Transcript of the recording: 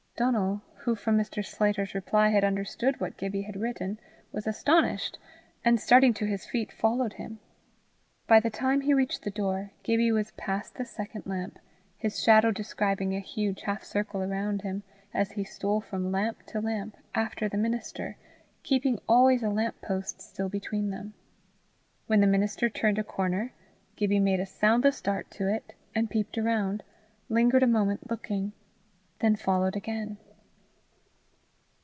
Donal, who from Mr. Sclater's reply had understood what Gibbie had written, was astonished, and starting to his feet followed him. By the time he reached the door, Gibbie was past the second lamp, his shadow describing a huge half circle around him, as he stole from lamp to lamp after the minister, keeping always a lamp post still between them. When the minister turned a corner, Gibbie made a soundless dart to it, and peeped round, lingered a moment looking, then followed again.